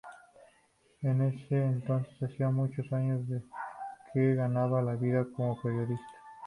En ese entonces hacía muchos años que se ganaba la vida como periodista.